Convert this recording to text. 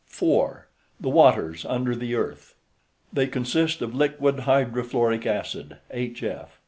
4. THE WATERS UNDER THE EARTH They consist of liquid hydrofluoric acid (HF).